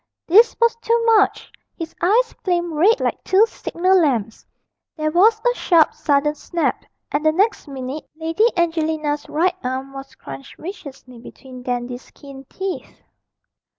This was too much: his eyes flamed red like two signal lamps, there was a sharp sudden snap, and the next minute Lady Angelina's right arm was crunched viciously between Dandy's keen teeth.